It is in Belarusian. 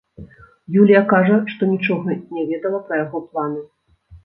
Юлія кажа, што нічога не ведала пра яго планы.